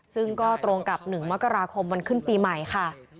ซึ่งก็ตรงกับ๑มกราคมวันขึ้นปีใหม่ค่ะ